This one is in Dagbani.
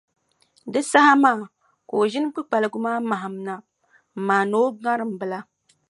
Di saha maa ka o ʒini kpukpaliga maa mahim na m-maani o ŋariŋ bila.